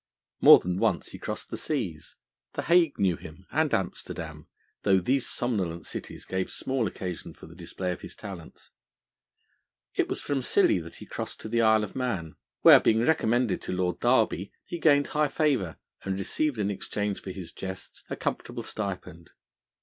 More than once he crossed the seas; the Hague knew him, and Amsterdam, though these somnolent cities gave small occasion for the display of his talents. It was from Scilly that he crossed to the Isle of Man, where, being recommended to Lord Derby, he gained high favour, and received in exchange for his jests a comfortable stipend.